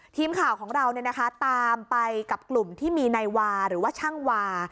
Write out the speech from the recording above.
ทีมข่าวของเราตามไปกับกลุ่มที่มีนายวาหรือว่าช่างวา